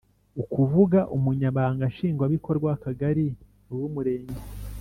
ukuvuga Umunyamabanga Nshingwabikorwa w akagari uw umurenge